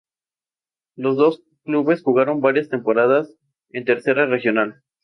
Los dos clubes jugaron varias temporadas en Tercera Regional.